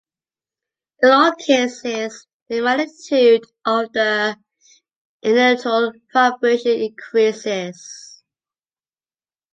In all cases, the magnitude of the inertial vibration increases.